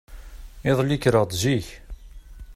Iḍelli kkreɣ-d zik.